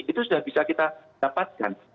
itu sudah bisa kita dapatkan